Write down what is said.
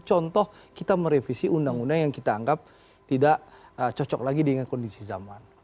contoh kita merevisi undang undang yang kita anggap tidak cocok lagi dengan kondisi zaman